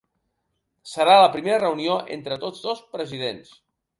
Serà la primera reunió entre tots dos presidents.